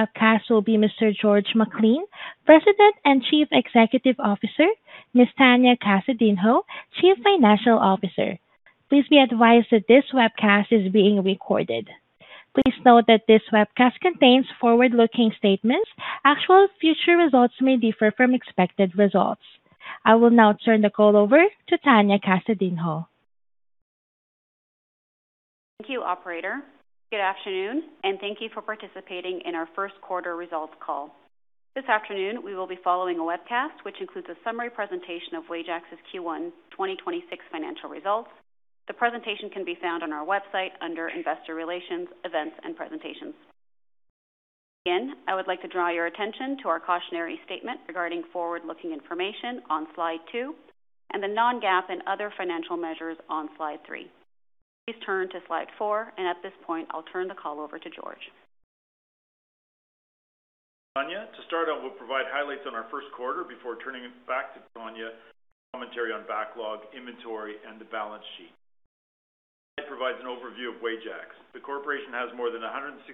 Our cast will be Mr. George McLean, President and Chief Executive Officer, Ms. Tania Casadinho, Chief Financial Officer. Please be advised that this webcast is being recorded. Please note that this webcast contains forward-looking statements. Actual future results may differ from expected results. I will now turn the call over to Tania Casadinho. Thank you, operator. Good afternoon, and thank you for participating in our first quarter results call. This afternoon, we will be following a webcast which includes a summary presentation of Wajax's Q1 2026 financial results. The presentation can be found on our website under Investor Relations, Events and Presentations. Again, I would like to draw your attention to our cautionary statement regarding forward-looking information on slide 2 and the non-GAAP and other financial measures on slide 3. Please turn to slide 4, and at this point, I'll turn the call over to George. Tania. To start out, we'll provide highlights on our first quarter before turning it back to Tania for commentary on backlog, inventory, and the balance sheet. It provides an overview of Wajax. The corporation has more than 167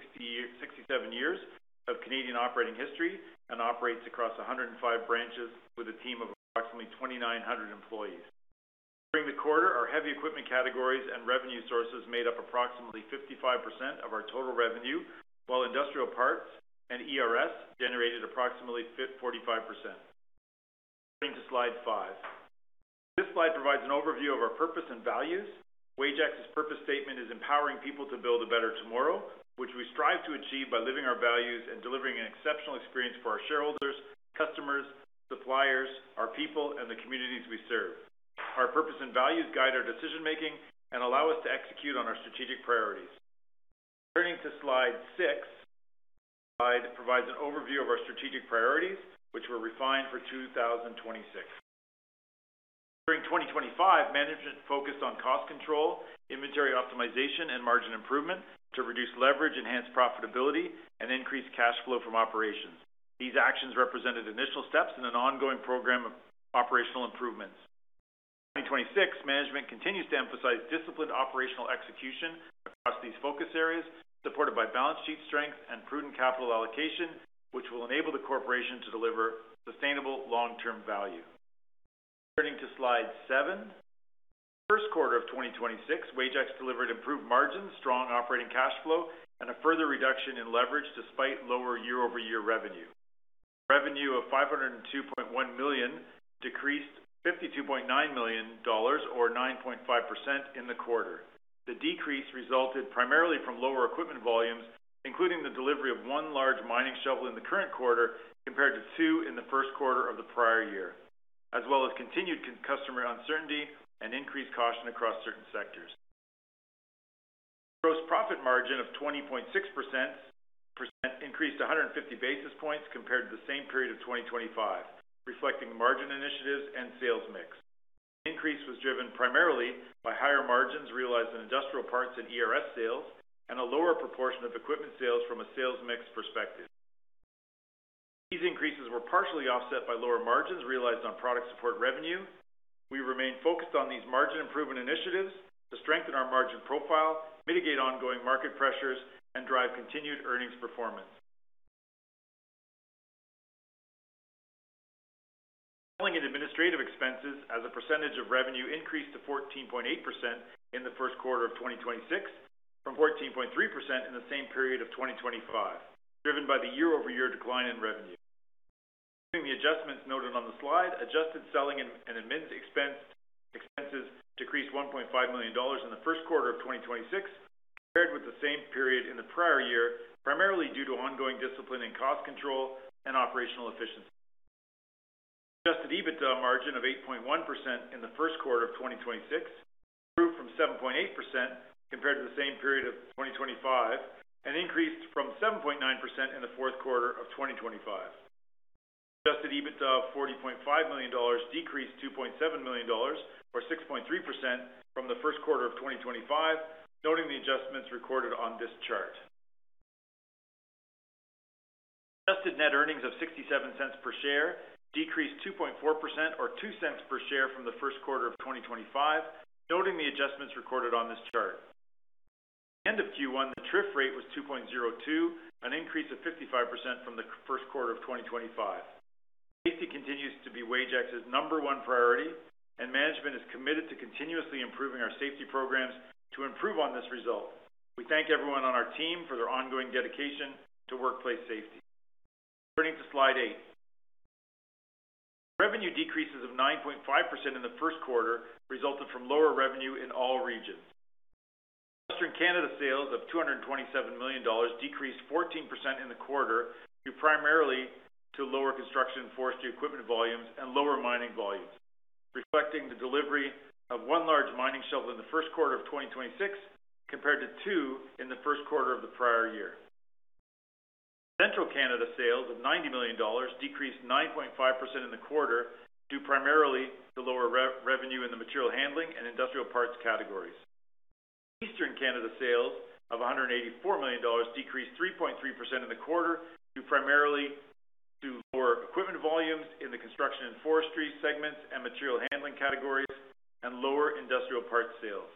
years of Canadian operating history and operates across 105 branches with a team of approximately 2,900 employees. During the quarter, our heavy equipment categories and revenue sources made up approximately 55% of our total revenue, while Industrial Parts and ERS generated approximately 45%. Turning to slide 5. This slide provides an overview of our purpose and values. Wajax's purpose statement is empowering people to build a better tomorrow, which we strive to achieve by living our values and delivering an exceptional experience for our shareholders, customers, suppliers, our people, and the communities we serve. Our purpose and values guide our decision-making and allow us to execute on our strategic priorities. Turning to slide 6. Slide provides an overview of our strategic priorities, which were refined for 2026. During 2025, management focused on cost control, inventory optimization, and margin improvement to reduce leverage, enhance profitability, and increase cash flow from operations. These actions represented initial steps in an ongoing program of operational improvements. 2026, management continues to emphasize disciplined operational execution across these focus areas, supported by balance sheet strength and prudent capital allocation, which will enable the corporation to deliver sustainable long-term value. Turning to slide 7. First quarter of 2026, Wajax delivered improved margins, strong operating cash flow, and a further reduction in leverage despite lower year-over-year revenue. Revenue of 502.1 million decreased 52.9 million dollars or 9.5% in the quarter. The decrease resulted primarily from lower equipment volumes, including the delivery of one large mining shovel in the current quarter compared to two in the first quarter of the prior year, as well as continued customer uncertainty and increased caution across certain sectors. Gross profit margin of 20.6% increased 150 basis points compared to the same period of 2025, reflecting margin initiatives and sales mix. Increase was driven primarily by higher margins realized in Industrial Parts and ERS sales and a lower proportion of equipment sales from a sales mix perspective. These increases were partially offset by lower margins realized on Product Support revenue. We remain focused on these margin improvement initiatives to strengthen our margin profile, mitigate ongoing market pressures, and drive continued earnings performance. Selling and administrative expenses as a percentage of revenue increased to 14.8% in the first quarter of 2026 from 14.3% in the same period of 2025, driven by the year-over-year decline in revenue. During the adjustments noted on the slide, adjusted selling and admins expenses decreased 1.5 million dollars in the first quarter of 2026 compared with the same period in the prior year, primarily due to ongoing discipline and cost control and operational efficiency. Adjusted EBITDA margin of 8.1% in the first quarter of 2026 improved from 7.8% compared to the same period of 2025 and increased from 7.9% in the fourth quarter of 2025. Adjusted EBITDA of 40.5 million dollars decreased 2.7 million dollars or 6.3% from the first quarter of 2025, noting the adjustments recorded on this chart. Adjusted net earnings of 0.67 per share decreased 2.4% or 0.02 per share from the first quarter of 2025, noting the adjustments recorded on this chart. End of Q1, the TRIF rate was 2.02, an increase of 55% from the first quarter of 2025. Safety continues to be Wajax's number one priority and management is committed to continuously improving our safety programs to improve on this result. We thank everyone on our team for their ongoing dedication to workplace safety. Turning to slide 8. Revenue decreases of 9.5% in the first quarter resulted from lower revenue in all regions. Western Canada sales of 227 million dollars decreased 14% in the quarter due primarily to lower construction forestry equipment volumes and lower mining volumes, reflecting the delivery of one large mining shovel in the first quarter of 2026 compared to two in the first quarter of the prior year. Central Canada sales of 90 million dollars decreased 9.5% in the quarter, due primarily to lower revenue in the material handling and Industrial Parts categories. Eastern Canada sales of 184 million dollars decreased 3.3% in the quarter due primarily to equipment volumes in the construction and forestry segments and material handling categories and lower Industrial Parts sales.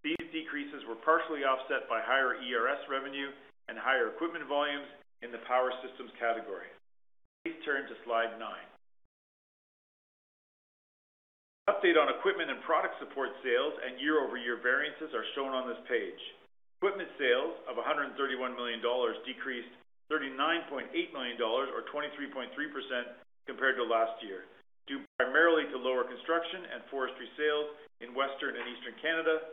These decreases were partially offset by higher ERS revenue and higher equipment volumes in the Power Systems category. Please turn to slide 9. An update on equipment and product support sales and year-over-year variances are shown on this page. Equipment sales of 131 million dollars decreased 39.8 million dollars, or 23.3% compared to last year, due primarily to lower construction and forestry sales in Western and Eastern Canada,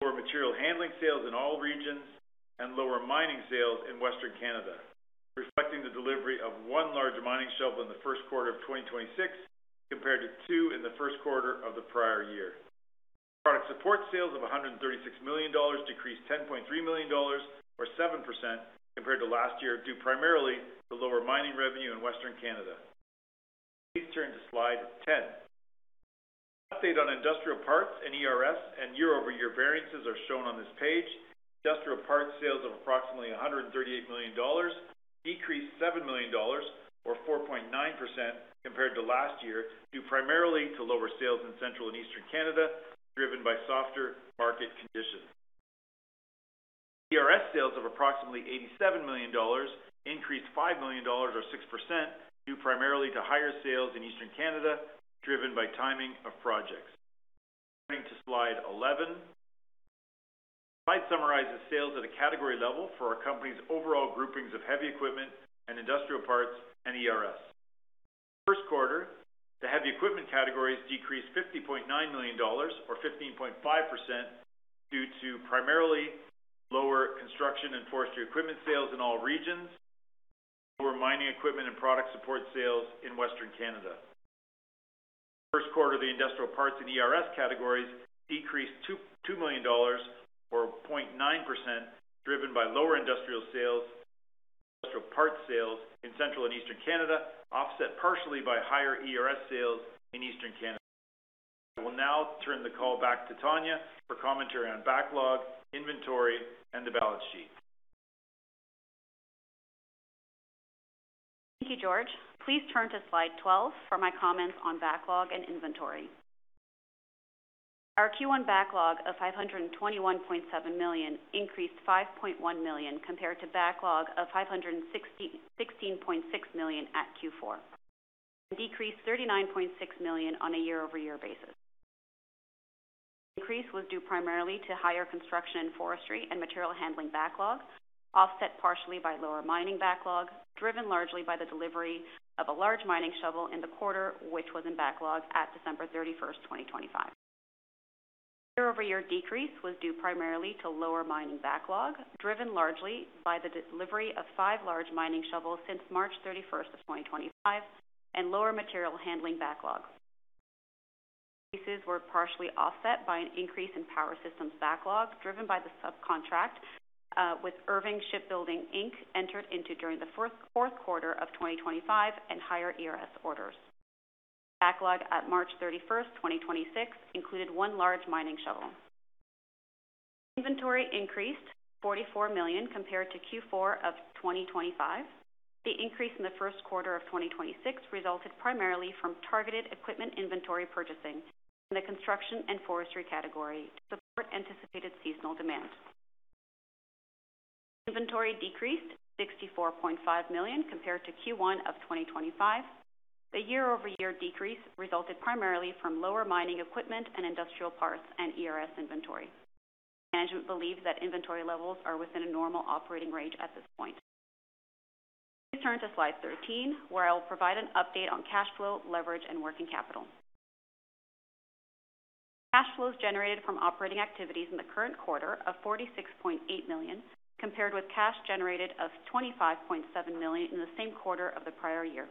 lower material handling sales in all regions and lower mining sales in Western Canada, reflecting the delivery of one large mining shovel in the first quarter of 2026 compared to two in the first quarter of the prior year. Product Support sales of 136 million dollars decreased 10.3 million dollars, or 7% compared to last year, due primarily to lower mining revenue in Western Canada. Please turn to slide 10. An update on Industrial Parts and ERS and year-over-year variances are shown on this page. Industrial Parts sales of approximately 138 million dollars decreased 7 million dollars, or 4.9% compared to last year, due primarily to lower sales in Central and Eastern Canada, driven by softer market conditions. ERS sales of approximately 87 million dollars increased 5 million dollars or 6% due primarily to higher sales in Eastern Canada, driven by timing of projects. Turning to slide 11. This slide summarizes sales at a category level for our company's overall groupings of heavy equipment and Industrial Parts and ERS. In the first quarter, the heavy equipment categories decreased 50.9 million dollars or 15.5% due to primarily lower construction and forestry equipment sales in all regions and lower mining equipment and Product Support sales in Western Canada. In the first quarter, the Industrial Parts and ERS categories decreased 2.2 million dollars or 0.9%, driven by lower Industrial sales and Industrial Parts sales in Central and Eastern Canada, offset partially by higher ERS sales in Eastern Canada. I will now turn the call back to Tania for commentary on backlog, inventory, and the balance sheet. Thank you, George. Please turn to slide 12 for my comments on backlog and inventory. Our Q1 backlog of 521.7 million increased 5.1 million compared to backlog of 516.6 million at Q4 and decreased 39.6 million on a year-over-year basis. The increase was due primarily to higher construction and forestry and material handling backlog, offset partially by lower mining backlog, driven largely by the delivery of a large mining shovel in the quarter, which was in backlog at December 31st, 2025. The year-over-year decrease was due primarily to lower mining backlog, driven largely by the delivery of five large mining shovels since March 31st, 2025 and lower material handling backlogs. These decreases were partially offset by an increase in power systems backlog driven by the subcontract with Irving Shipbuilding Inc. entered into during the fourth quarter of 2025 and higher ERS orders. Backlog at March 31st, 2026 included one large mining shovel. Inventory increased 44 million compared to Q4 of 2025. The increase in the first quarter of 2026 resulted primarily from targeted equipment inventory purchasing in the construction and forestry category to support anticipated seasonal demand. Inventory decreased 64.5 million compared to Q1 of 2025. The year-over-year decrease resulted primarily from lower mining equipment and Industrial Parts and ERS inventory. Management believes that inventory levels are within a normal operating range at this point. Please turn to slide 13, where I will provide an update on cash flow, leverage, and working capital. Cash flows generated from operating activities in the current quarter of 46.8 million compared with cash generated of 25.7 million in the same quarter of the prior year.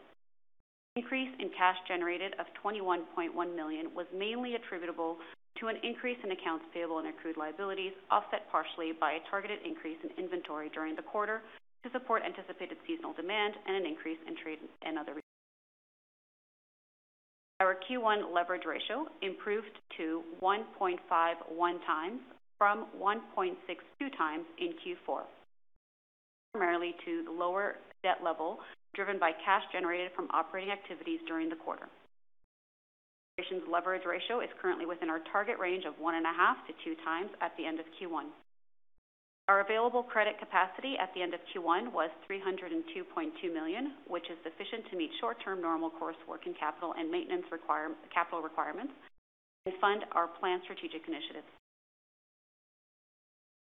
The increase in cash generated of 21.1 million was mainly attributable to an increase in accounts payable and accrued liabilities, offset partially by a targeted increase in inventory during the quarter to support anticipated seasonal demand and an increase in trade and other. Our Q1 leverage ratio improved to 1.51x from 1.62x in Q4, primarily to the lower debt level driven by cash generated from operating activities during the quarter. The corporation's leverage ratio is currently within our target range of 1.5x-2x at the end of Q1. Our available credit capacity at the end of Q1 was 302.2 million, which is sufficient to meet short-term normal course working capital and maintenance capital requirements and fund our planned strategic initiatives.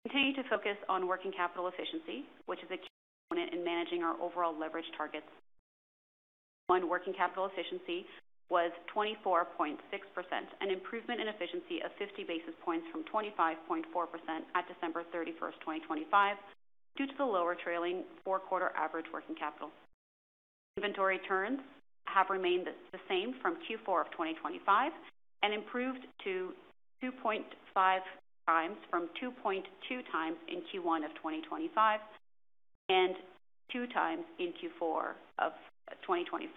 We continue to focus on working capital efficiency, which is a key component in managing our overall leverage targets. Q1 working capital efficiency was 24.6%, an improvement in efficiency of 50 basis points from 25.4% at December 31st, 2025, due to the lower trailing four-quarter average working capital. Inventory turns have remained the same from Q4 of 2025 and improved to 2.5x from 2.2x in Q1 of 2025 and 2x in Q4 of 2024,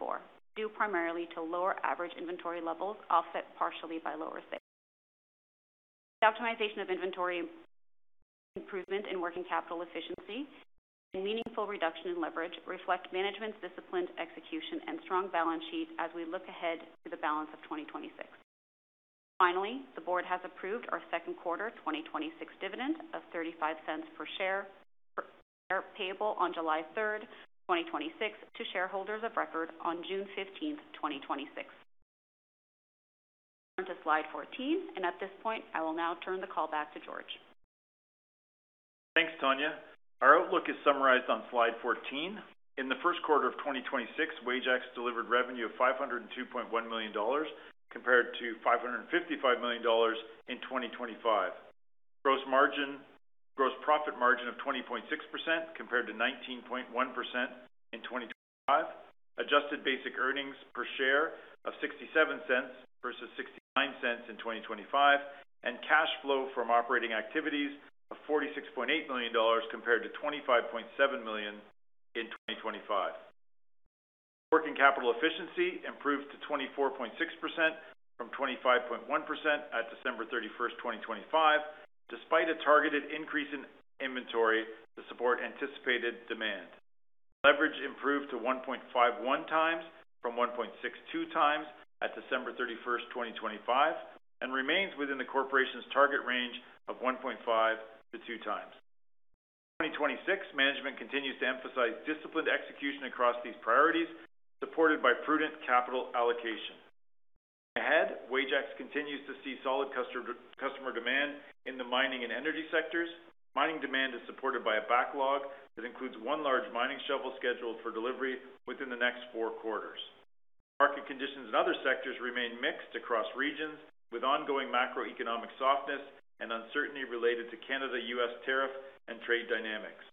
due primarily to lower average inventory levels, offset partially by lower sales. The optimization of inventory improvement in working capital efficiency and meaningful reduction in leverage reflect management's disciplined execution and strong balance sheet as we look ahead to the balance of 2026. Finally, the board has approved our 2nd quarter 2026 dividend of 0.35 per share payable on July 3rd, 2026 to shareholders of record on June 15th, 2026. Turn to slide 14. At this point, I will now turn the call back to George. Thanks, Tania. Our outlook is summarized on slide 14. In the first quarter of 2026, Wajax delivered revenue of 502.1 million dollars compared to 555 million dollars in 2025. Gross profit margin of 20.6% compared to 19.1% in 2025. Adjusted basic earnings per share of 0.67 versus 0.69 in 2025, and cash flow from operating activities of 46.8 million dollars compared to 25.7 million in 2025. Working capital efficiency improved to 24.6% from 25.1% at December 31st, 2025, despite a targeted increase in inventory to support anticipated demand. Leverage improved to 1.51x from 1.62x at December 31st, 2025 and remains within the corporation's target range of 1.5x-2x. 2026, management continues to emphasize disciplined execution across these priorities, supported by prudent capital allocation. Ahead, Wajax continues to see solid customer demand in the mining and energy sectors. Mining demand is supported by a backlog that includes one large mining shovel scheduled for delivery within the next four quarters. Market conditions in other sectors remain mixed across regions, with ongoing macroeconomic softness and uncertainty related to Canada, U.S. tariff and trade dynamics.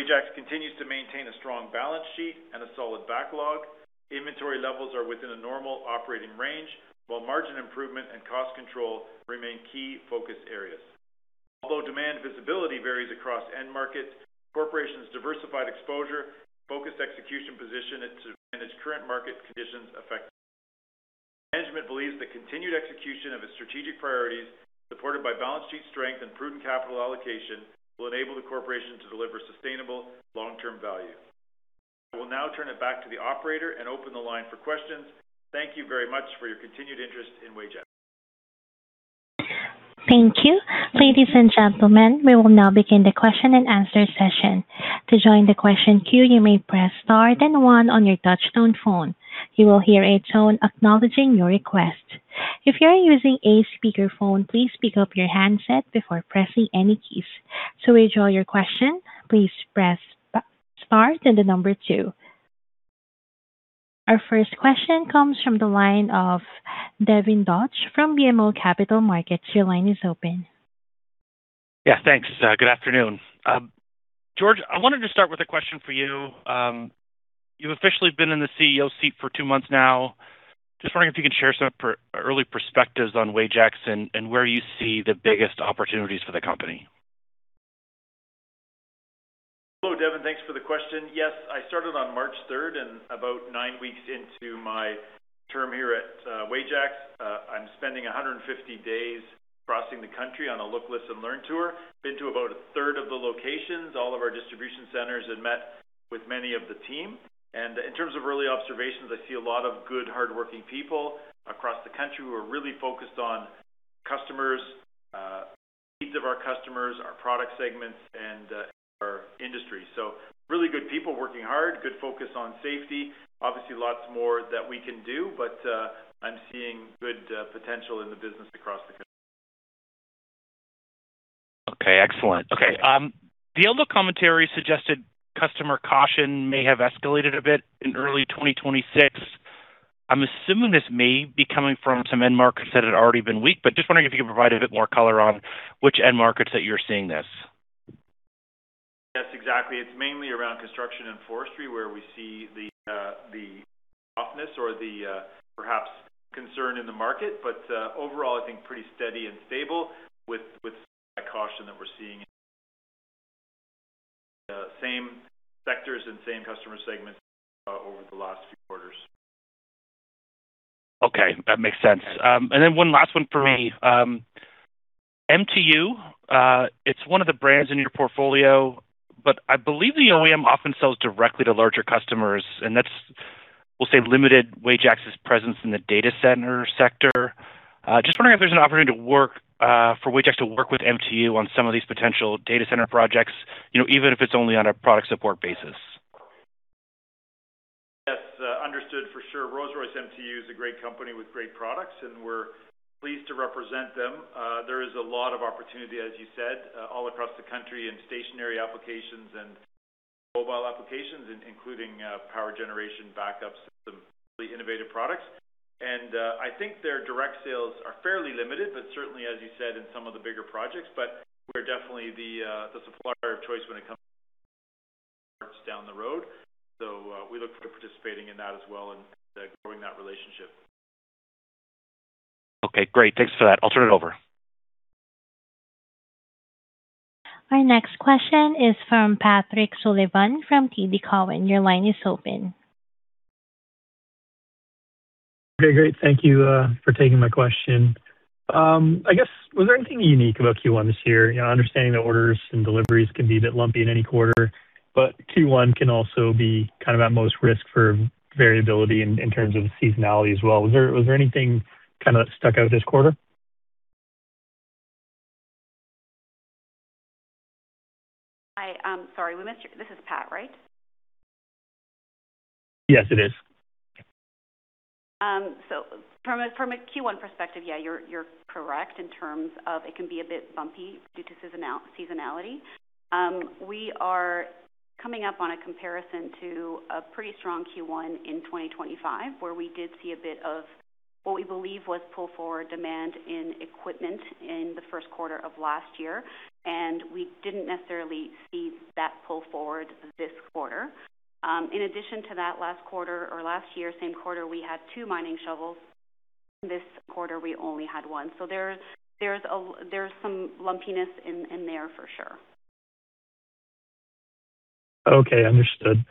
Wajax continues to maintain a strong balance sheet and a solid backlog. Inventory levels are within a normal operating range, while margin improvement and cost control remain key focus areas. Although demand visibility varies across end markets, corporation's diversified exposure, focused execution position it to manage current market conditions effectively. Management believes the continued execution of its strategic priorities, supported by balance sheet strength and prudent capital allocation, will enable the corporation to deliver sustainable long-term value. I will now turn it back to the operator and open the line for questions. Thank you very much for your continued interest in Wajax. Thank you. Ladies and gentlemen, we will now begin the question-and-answer session. To join the question queue, you may press star then one on your touchtone phone. You will hear a tone acknowledging your request. If you are using a speakerphone, please pick up your handset before pressing any keys. To withdraw your question, please press star then the number two. Our first question comes from the line of Devin Dodge from BMO Capital Markets. Your line is open. Yeah, thanks. Good afternoon. George, I wanted to start with a question for you. You've officially been in the CEO seat for two months now. Just wondering if you can share some early perspectives on Wajax and where you see the biggest opportunities for the company. Hello, Devin. Thanks for the question. Yes, I started on March third and about nine weeks into my term here at Wajax. I'm spending 150 days crossing the country on a look, listen, learn tour. Been to about a third of the locations, all of our distribution centers, and met with many of the team. In terms of early observations, I see a lot of good, hardworking people across the country who are really focused on customers, needs of our customers, our product segments, and our industry. Really good people working hard, good focus on safety. Obviously, lots more that we can do, but I'm seeing good potential in the business across the country. Okay, excellent. Okay. The EBITDA commentary suggested customer caution may have escalated a bit in early 2026. I'm assuming this may be coming from some end markets that had already been weak, but just wondering if you could provide a bit more color on which end markets that you're seeing this. Yes, exactly. It is mainly around construction and forestry, where we see the softness or the perhaps concern in the market. Overall, I think pretty steady and stable with that caution that we are seeing in the same sectors and same customer segments over the last few quarters. Okay, that makes sense. Then one last one for me. mtu, it's one of the brands in your portfolio, but I believe the OEM often sells directly to larger customers, and that's, we'll say, limited Wajax's presence in the data center sector. Just wondering if there's an opportunity to work for Wajax to work with mtu on some of these potential data center projects, you know, even if it's only on a Product Support basis. Yes, understood for sure. Rolls-Royce mtu is a great company with great products, and we're pleased to represent them. There is a lot of opportunity, as you said, all across the country in stationary applications and mobile applications, including, power generation backup systems, really innovative products. I think their direct sales are fairly limited, but certainly, as you said, in some of the bigger projects. We're definitely the supplier of choice when it comes down the road. We look forward to participating in that as well and growing that relationship. Okay, great. Thanks for that. I'll turn it over. Our next question is from Patrick Sullivan from TD Cowen. Your line is open. Okay, great. Thank you for taking my question. I guess, was there anything unique about Q1 this year? You know, understanding that orders and deliveries can be a bit lumpy in any quarter, but Q1 can also be kind of at most risk for variability in terms of seasonality as well. Was there anything kind of that stuck out this quarter? Hi. I'm sorry, this is Pat, right? Yes, it is. From a Q1 perspective, yeah, you're correct in terms of it can be a bit bumpy due to seasonality. We are coming up on a comparison to a pretty strong Q1 in 2025, where we did see a bit of what we believe was pull-forward demand in equipment in the first quarter of last year, and we didn't necessarily see that pull forward this quarter. In addition to that, last quarter or last year, same quarter, we had two mining shovels. This quarter we only had one. There's some lumpiness in there for sure. Okay. Understood.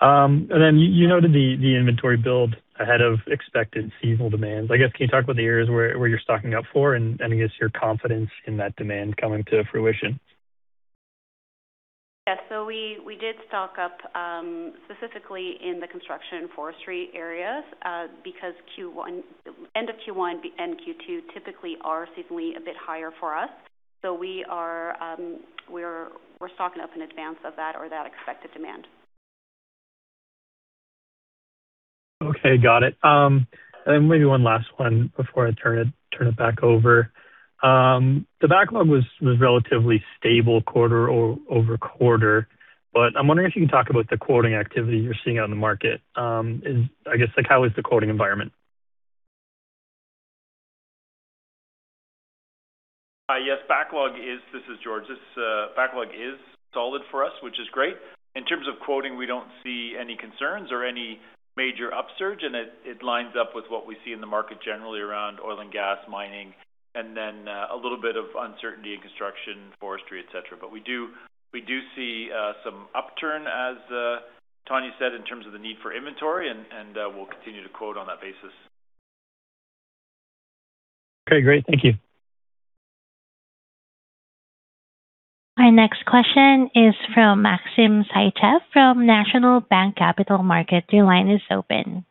You noted the inventory build ahead of expected seasonal demands. I guess, can you talk about the areas where you're stocking up for and I guess your confidence in that demand coming to fruition? Yeah. We did stock up specifically in the construction and forestry areas because Q1 end of Q1 and Q2 typically are seasonally a bit higher for us. We are stocking up in advance of that or that expected demand. Okay. Got it. Maybe one last one before I turn it back over. The backlog was relatively stable quarter-over-quarter. I'm wondering if you can talk about the quoting activity you're seeing out in the market. Is I guess, like, how is the quoting environment? Yes. This is George. This backlog is solid for us, which is great. In terms of quoting, we don't see any concerns or any major upsurge, and it lines up with what we see in the market generally around oil and gas mining, and then a little bit of uncertainty in construction, forestry, et cetera. We do see some upturn, as Tania said, in terms of the need for inventory and we'll continue to quote on that basis. Okay, great. Thank you. Our next question is from Maxim Sytchev from National Bank Capital Markets. Your line is open.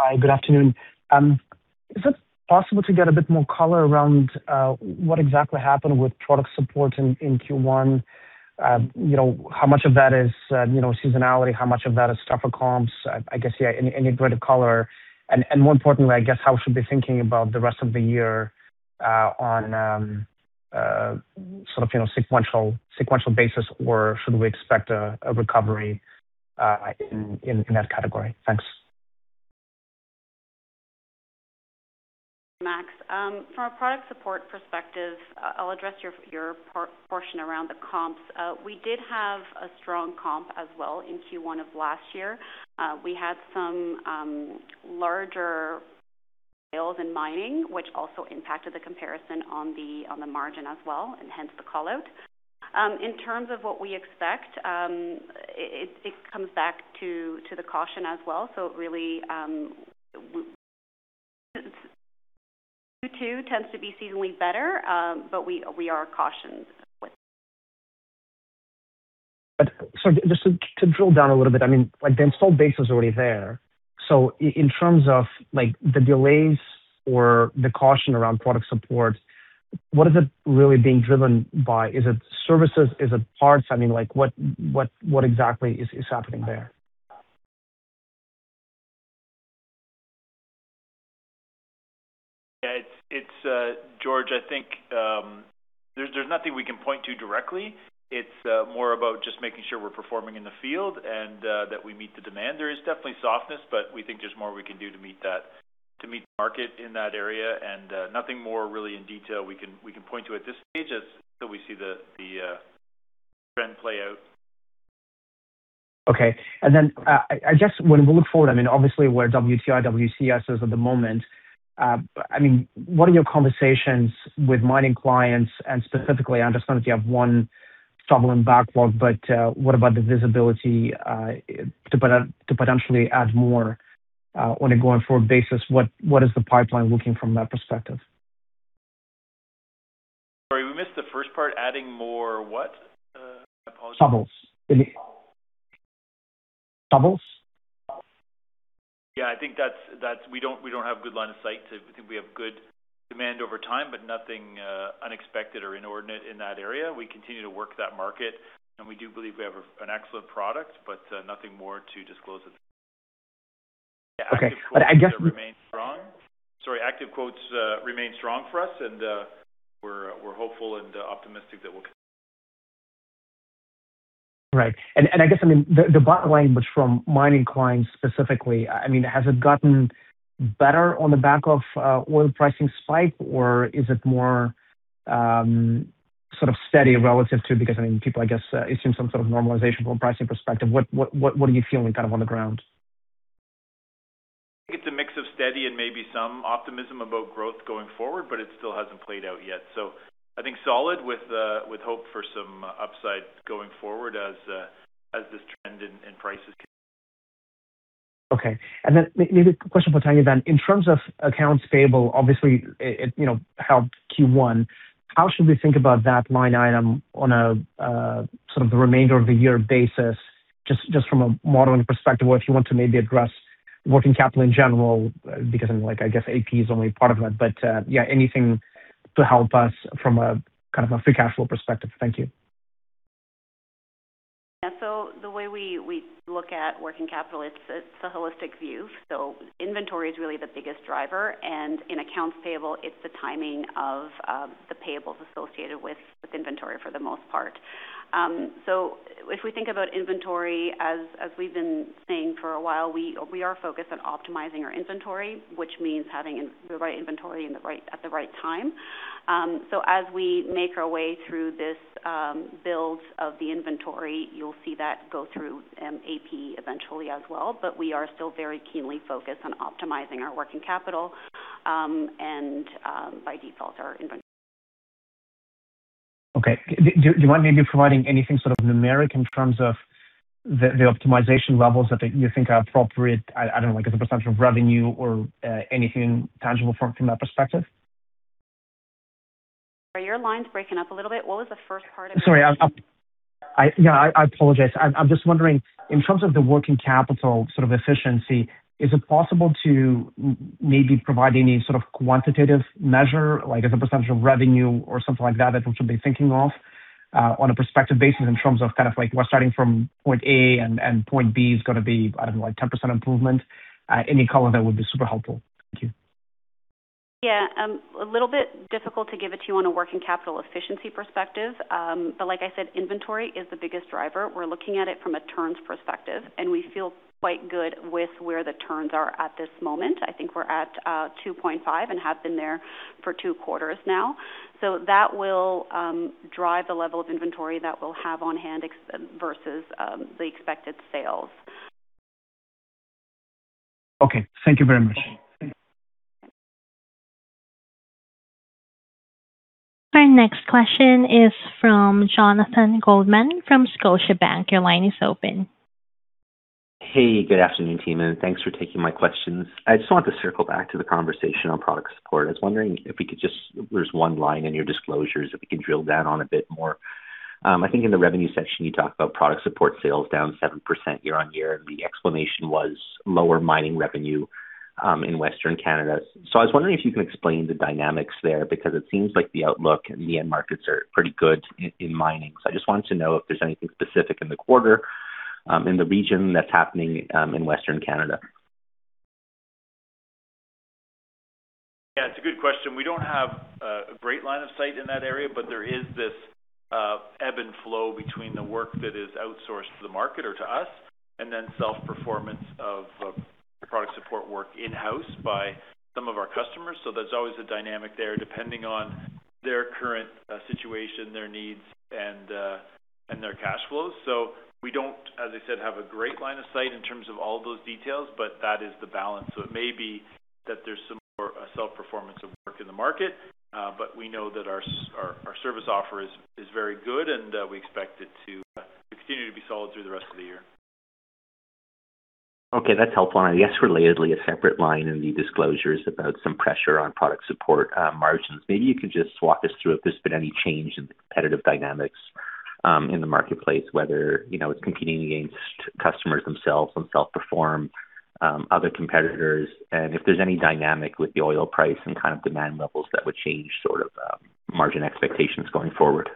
Hi. Good afternoon. Is it possible to get a bit more color around what exactly happened with Product Support in Q1? You know, how much of that is, you know, seasonality? How much of that is tougher comps? I guess, yeah, any greater color. More importantly, I guess, how we should be thinking about the rest of the year on sort of, you know, sequential basis, or should we expect a recovery in that category? Thanks. Max, from a Product Support perspective, I'll address your portion around the comps. We did have a strong comp as well in Q1 of last year. We had some larger deals in mining, which also impacted the comparison on the margin as well, and hence the call-out. In terms of what we expect, it comes back to the caution as well. Really, Q2 tends to be seasonally better, but we are cautioned with. Just to drill down a little bit, I mean, like the install base is already there. So in terms of like the delays or the caution around Product Support, what is it really being driven by? Is it services? Is it parts? I mean, like, what exactly is happening there? Yeah. It's, George, I think, there's nothing we can point to directly. It's, more about just making sure we're performing in the field and, that we meet the demand. There is definitely softness, but we think there's more we can do to meet the market in that area and, nothing more really in detail we can point to at this stage till we see the trend play out. Okay. Then, I just when we look forward, I mean, obviously where WTI, WCS is at the moment, I mean, what are your conversations with mining clients and specifically, I understand that you have one struggling backlog, but what about the visibility to potentially add more on a going-forward basis? What is the pipeline looking from that perspective? Sorry, we missed the first part. Adding more what? I apologize. Shovels. Yeah. I think that's. I think we have good demand over time, but nothing unexpected or inordinate in that area. We continue to work that market, and we do believe we have an excellent product, but nothing more to disclose. Okay. Active quotes remain strong. Sorry. Active quotes remain strong for us and we're hopeful and optimistic. Right. I guess, I mean, the bottom line, but from mining clients specifically, I mean, has it gotten better on the back of oil pricing spike, or is it more sort of steady relative to Because I mean, people, I guess, it's in some sort of normalization from a pricing perspective. What are you feeling kind of on the ground? It's a mix of steady and maybe some optimism about growth going forward, but it still hasn't played out yet. I think solid with hope for some upside going forward as this trend in prices. Okay. maybe a question for Tania then. In terms of accounts payable, obviously, it, you know, helped Q1. How should we think about that line item on a sort of the remainder of the year basis, just from a modeling perspective? Or if you want to maybe address working capital in general, because I'm like, I guess AP is only part of it. yeah, anything to help us from a kind of a free cash flow perspective. Thank you. The way we look at working capital, it's a holistic view. Inventory is really the biggest driver, and in accounts payable, it's the timing of the payables associated with inventory for the most part. If we think about inventory, as we've been saying for a while, we are focused on optimizing our inventory, which means having the right inventory at the right time. As we make our way through this build of the inventory, you'll see that go through AP eventually as well. We are still very keenly focused on optimizing our working capital, and by default. Okay. Do you mind maybe providing anything sort of numeric in terms of the optimization levels that you think are appropriate? I don't know, like as a percent of revenue or anything tangible from that perspective? Sorry, your line's breaking up a little bit. What was the first part of your question? Sorry, I apologize. I'm just wondering, in terms of the working capital sort of efficiency, is it possible to maybe provide any sort of quantitative measure, like as a percentage of revenue or something like that we should be thinking of on a prospective basis in terms of kind of like we're starting from point A and point B is gonna be, I don't know, like 10% improvement? Any color there would be super helpful. Thank you. Yeah. A little bit difficult to give it to you on a working capital efficiency perspective. Like I said, inventory is the biggest driver. We're looking at it from a turns perspective, and we feel quite good with where the turns are at this moment. I think we're at 2.5, and have been there for two quarters now. That will drive the level of inventory that we'll have on hand versus the expected sales. Okay, thank you very much. Our next question is from Jonathan Goldman from Scotiabank. Your line is open. Hey, good afternoon, team, and thanks for taking my questions. I just want to circle back to the conversation on Product Support. I was wondering if we could, there is one line in your disclosures, if we could drill down on a bit more. I think in the revenue section, you talked about Product Support sales down 7% year-on-year. The explanation was lower mining revenue in Western Canada. I was wondering if you can explain the dynamics there because it seems like the outlook in the end markets are pretty good in mining. I just wanted to know if there is anything specific in the quarter in the region that is happening in Western Canada. Yeah, it's a good question. We don't have a great line of sight in that area, but there is this ebb and flow between the work that is outsourced to the market or to us, and then self-performance of the Product Support work in-house by some of our customers. There's always a dynamic there, depending on their current situation, their needs, and their cash flows. We don't, as I said, have a great line of sight in terms of all those details, but that is the balance. It may be that there's some more self-performance of work in the market, but we know that our service offer is very good and we expect it to continue to be solid through the rest of the year. Okay, that's helpful. I guess relatedly, a separate line in the disclosure is about some pressure on Product Support margins. Maybe you could just walk us through if there's been any change in the competitive dynamics in the marketplace, whether, you know, it's competing against customers themselves and self-perform, other competitors, and if there's any dynamic with the oil price and kind of demand levels that would change sort of margin expectations going forward.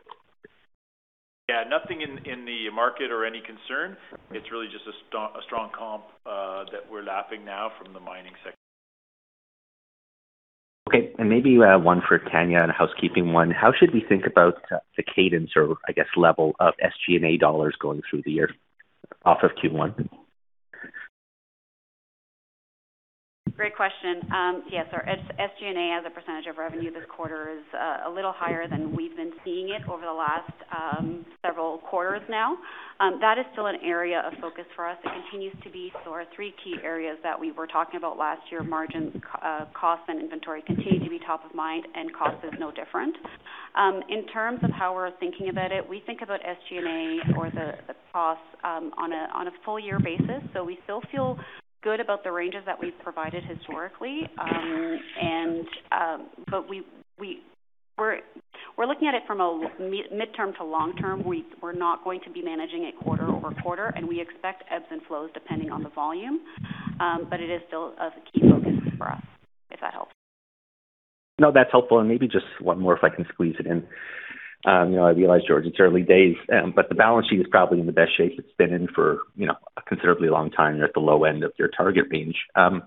Yeah. Nothing in the market or any concern. It's really just a strong comp, that we're lapping now from the mining sec-. Okay. Maybe one for Tania and a housekeeping one. How should we think about the cadence or I guess level of SG&A CAD going through the year off of Q1? Great question. Yes, our SG&A as a percentage of revenue this quarter is a little higher than we've been seeing it over the last several quarters now. That is still an area of focus for us. It continues to be. Our three key areas that we were talking about last year, margins, costs, and inventory continue to be top of mind, and costs is no different. In terms of how we're thinking about it, we think about SG&A or the costs on a full year basis. We still feel good about the ranges that we've provided historically. We're looking at it from a midterm to long-term. We're not going to be managing it quarter-over-quarter, and we expect ebbs and flows depending on the volume. It is still of a key focus for us, if that helps. No, that's helpful. Maybe just one more if I can squeeze it in. You know, I realize, George, it's early days, but the balance sheet is probably in the best shape it's been in for, you know, a considerably long time. You're at the low end of your target range. How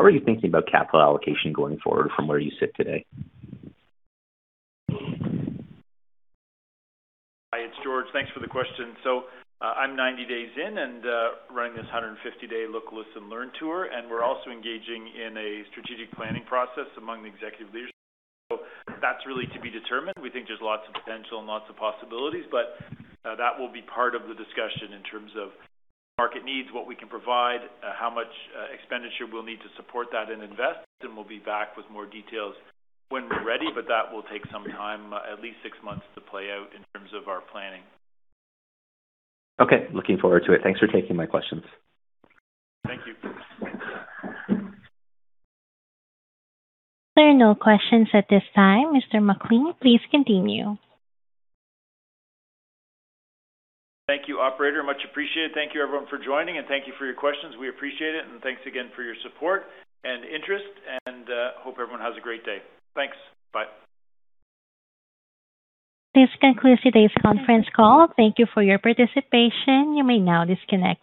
are you thinking about capital allocation going forward from where you sit today? Hi, it's George. Thanks for the question. I'm 90 days in and running this 150-day look, listen, learn tour, and we're also engaging in a strategic planning process among the executive leadership. That's really to be determined. We think there's lots of potential and lots of possibilities, but that will be part of the discussion in terms of market needs, what we can provide, how much expenditure we'll need to support that and invest. We'll be back with more details when we're ready, but that will take some time, at least six months to play out in terms of our planning. Okay. Looking forward to it. Thanks for taking my questions. Thank you. There are no questions at this time. Mr. McClean, please continue. Thank you, operator. Much appreciated. Thank you everyone for joining, and thank you for your questions. We appreciate it. Thanks again for your support and interest, and hope everyone has a great day. Thanks. Bye. This concludes today's conference call. Thank you for your participation. You may now disconnect.